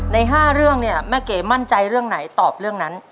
ใน๕เรื่องเนี่ยแม่เก๋มั่นใจเรื่องไหนตอบเรื่องนั้น